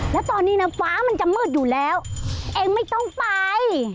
แล้วตอนนี้นะฟ้ามันจะมืดอยู่แล้วเองไม่ต้องไป